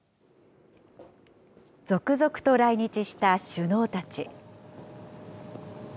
続々と来日した首脳たち。